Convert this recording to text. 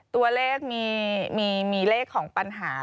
ตัวเลขมีเลขของปัญหา